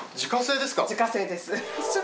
自家製ですか！？